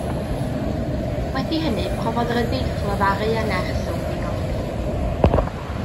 Wedi hynny profodd ryddid wrth lefaru a nerth o weddïo.